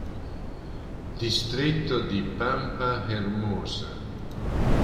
Distretto di Pampa Hermosa